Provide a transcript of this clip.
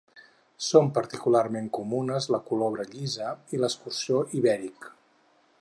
Són particularment comunes la colobra llisa i l'escurçó ibèric.